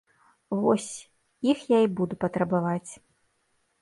Вось, іх я і буду патрабаваць.